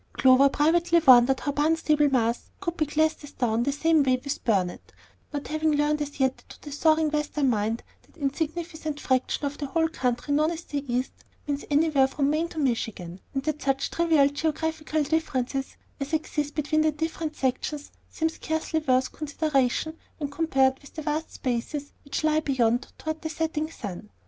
Clover privately wondered how Barnstable, Mass., could be classed as "down" the same way with Burnet, not having learned as yet that to the soaring Western mind that insignificant fraction of the whole country known as "the East," means anywhere from Maine to Michigan, and that such trivial geographical differences as exist between the different sections seem scarcely worth consideration when compared with the vast spaces which lie beyond toward the setting sun.